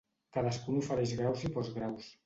Cadascun ofereix graus i postgraus.